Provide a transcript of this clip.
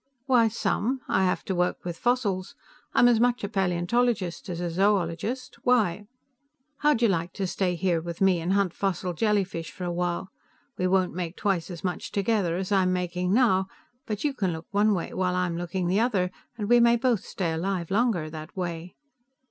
"Why, some; I have to work with fossils. I'm as much a paleontologist as a zoologist. Why?" "How'd you like to stay here with me and hunt fossil jellyfish for a while? We won't make twice as much, together, as I'm making now, but you can look one way while I'm looking the other, and we may both stay alive longer that way."